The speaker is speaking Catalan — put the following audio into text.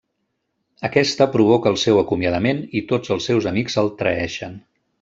Aquesta provoca el seu acomiadament i tots els seus amics el traeixen.